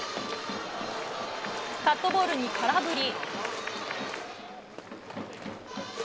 カットボールに空振り。